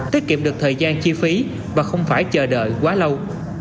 tiết kiệm được thời gian chi phí và không phải chờ đợi quá lâu